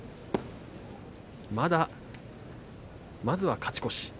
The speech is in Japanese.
まずは勝ち越し。